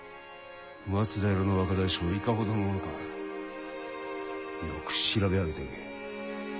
松平の若大将いかほどの者かよく調べ上げておけ。